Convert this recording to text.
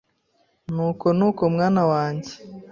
Nuko nuko mwana wanjye